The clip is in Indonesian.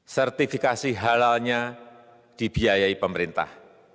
sertifikasi halalnya dibiayai pemerintah